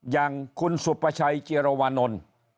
อย่างคุณสุประชัยเจรวานนท์